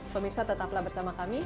pemirsa tetaplah bersama kami